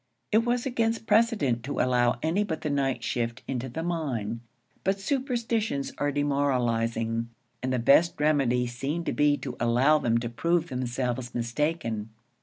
It was against precedent to allow any but the night shift into the mine; but superstitions are demoralizing, and the best remedy seemed to be to allow them to prove themselves mistaken.